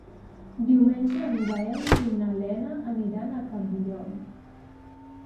Diumenge en Gaël i na Lena aniran a Campllong.